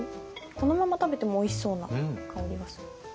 このまま食べてもおいしそうな香りがする。